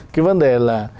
cái vấn đề là